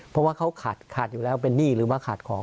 เพราะว่าเขาขาดขาดอยู่แล้วเป็นหนี้หรือว่าขาดของ